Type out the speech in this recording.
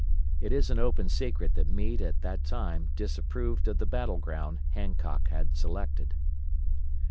It is an open secret that Meade at that time disapproved of the battle ground Hancock had selected.